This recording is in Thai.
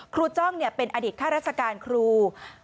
ครูจ้องเป็นอดิตฆ่ารัชกาลครู